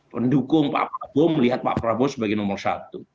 pendukung pak prabowo melihat pak prabowo sebagai nomor satu